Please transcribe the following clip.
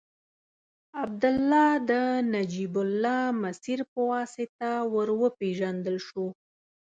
عبدالله د نجیب الله مسیر په واسطه ور وپېژندل شو.